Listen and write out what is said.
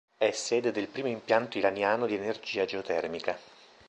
È sede del primo impianto iraniano di energia geotermica.